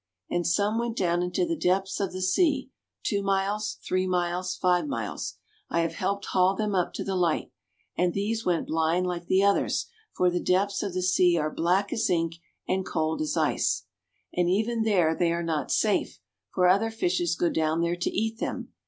And some went down into the depths of the sea two miles, three miles, five miles I have helped haul them up to the light and these went blind like the others, for the depths of the sea are black as ink and cold as ice. And even there they are not safe, for other fishes go down there to eat them.